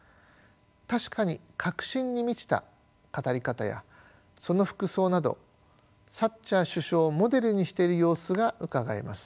確かに確信に満ちた語り方やその服装などサッチャー首相をモデルにしている様子がうかがえます。